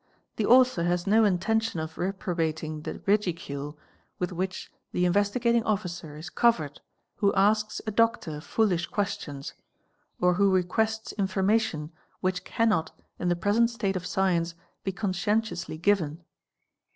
s author has no intention of reprobating the ridicule with which the 4 20 aw oars dene? er hes ieee ae 154 THE EXPERT Investigating Officer is covered who asks a doctor foolish questions or — who requests information which cannot, in the present state of science, — be conscientiously given.